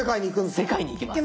世界に行きます。